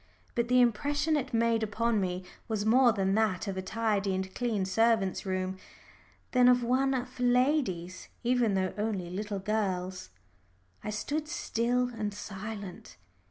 But the impression it made upon me was more that of a tidy and clean servants' room than of one for ladies, even though only little girls. I stood still and silent.